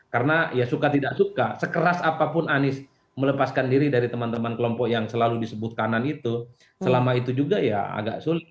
karena ya suka tidak suka sekeras apapun anies melepaskan diri dari teman teman kelompok yang selalu disebut kanan itu selama itu juga ya agak sulit